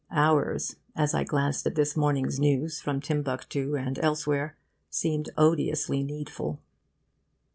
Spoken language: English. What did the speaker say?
Ours, as I glanced at this morning' s news from Timbuctoo and elsewhere, seemed odiously needful.